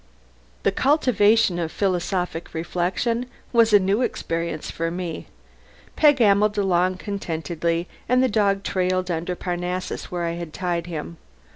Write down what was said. The cultivation of philosophic reflection was a new experience for me. Peg ambled along contentedly and the dog trailed under Parnassus where I had tied him.